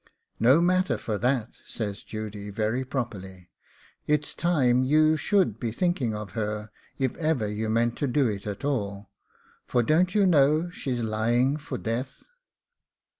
'No matter for that,' says Judy, very properly; 'it's time you should be thinking of her, if ever you mean to do it at all, for don't you know she's lying for death?